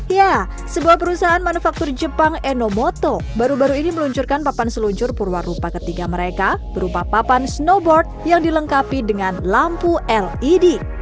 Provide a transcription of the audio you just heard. ya sebuah perusahaan manufaktur jepang enomoto baru baru ini meluncurkan papan seluncur purwarupa ketiga mereka berupa papan snowboard yang dilengkapi dengan lampu led